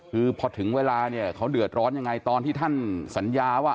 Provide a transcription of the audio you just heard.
คือพอถึงเวลาเนี่ยเขาเดือดร้อนยังไงตอนที่ท่านสัญญาว่า